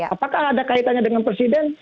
apakah ada kaitannya dengan presiden